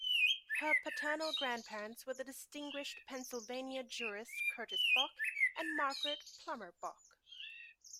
Her paternal grandparents were the distinguished Pennsylvania jurist Curtis Bok, and Margaret Plummer Bok.